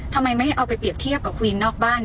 ทำไมไม่ให้เอาไปเปรียบเทียบกับควีนนอกบ้าน